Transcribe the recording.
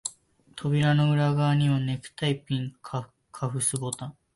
扉の裏側には、ネクタイピン、カフスボタン、